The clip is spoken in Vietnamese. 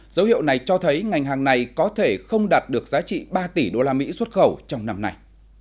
dấu hiệu này cho thấy ngành hàng này có thể không đạt được giá trị ba tỷ usd xuất khẩu trong năm nay